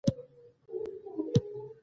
باید کتابونه مې ترې وړي وای.